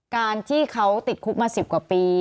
การที่เขาติดคุกมา๑๐กว่าปี